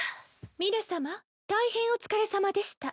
皆さま大変お疲れさまでした。